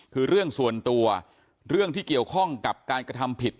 คือเรื่องส่วนตัวเรื่องที่เกี่ยวข้องกับการกระทำผิด